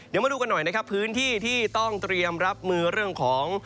เดี๋ยวมาดูกันหน่อยนะครับพื้นที่ที่ต้องเตรียมรับมือเรื่องของ